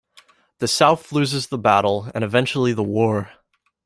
The South loses the battle, and eventually the war.